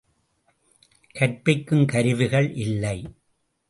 கற்பிக்கும் கருவிகள் இல்லை!